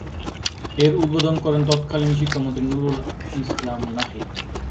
এর উদ্বোধন করেন তৎকালীন শিক্ষামন্ত্রী নুরুল ইসলাম নাহিদ।